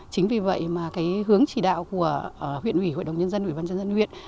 chính vì vậy mà hướng chỉ đạo của huyện ủy hội đồng nhân dân ủy ban nhân dân huyện